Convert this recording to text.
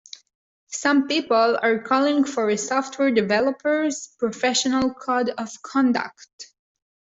Some people are calling for a software developers' professional code of conduct.